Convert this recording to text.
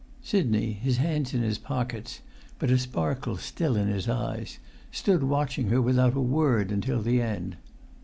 Sidney, his hands in his pockets, but a sparkle still in his eyes, stood watching her without a word until the end.